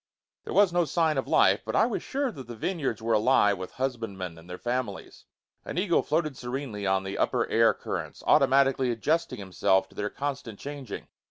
There was no sign of life, but I was sure that the vineyards were alive with husband men and their families. An eagle floated serenely on the upper air currents, automatically adjusting himself to their constant changing.